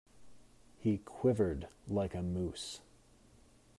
He quivered like a mousse.